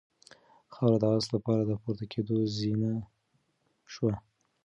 خاوره د آس لپاره د پورته کېدو زینه شوه.